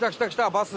バス！